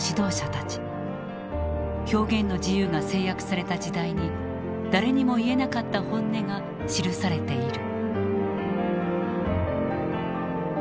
表現の自由が制約された時代に誰にも言えなかった本音が記されている。